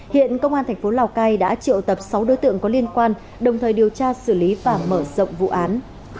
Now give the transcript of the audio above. hiện công an thành phố lào cai đã triệu tập sáu đối tượng có liên quan đồng thời điều tra xử lý và mở rộng vụ án